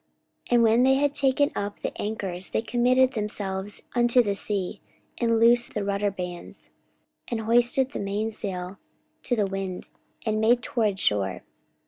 44:027:040 And when they had taken up the anchors, they committed themselves unto the sea, and loosed the rudder bands, and hoised up the mainsail to the wind, and made toward shore.